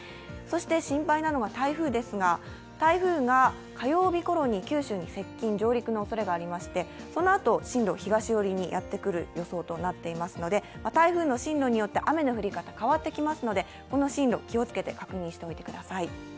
心配なのが台風ですが、台風が火曜日ごろに九州に接近、上陸のおそれがありまして、そのあと進路を東寄りにやってくる予想となっておりますので台風の進路によって雨の降り方変わってきますので、この進路、気をつけて確認しておいてください。